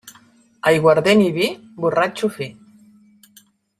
Aiguardent i vi, borratxo fi.